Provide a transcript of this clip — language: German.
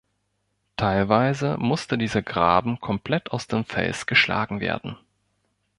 Teilweise musste dieser Graben komplett aus dem Fels geschlagen werden.